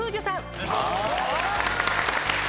お願いします。